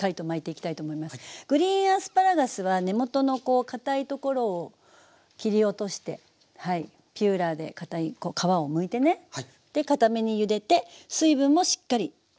グリーンアスパラガスは根元のかたいところを切り落としてピーラーでかたい皮をむいてねかためにゆでて水分もしっかり切ってあげる。